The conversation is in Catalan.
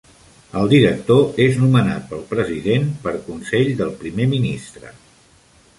El Director és nomenat pel President, per consell del Primer Ministre.